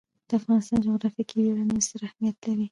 د افغانستان جغرافیه کې یورانیم ستر اهمیت لري.